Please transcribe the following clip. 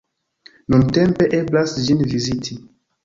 Nuntempe eblas ĝin viziti.